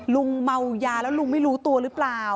ลุงเมายาแล้วลุงไม่รู้ตัวหรือเปล่า